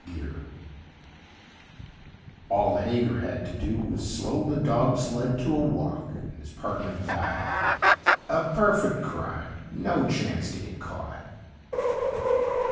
Geier All Hager had to do was slow the dogsled to a walk, and his partner died. A perfect crime no chance to get caught!